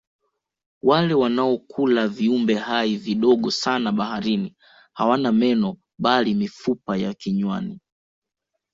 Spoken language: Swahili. wale wanaokula viumbe hai vidogo sana baharini hawana meno bali mifupa ya kinywani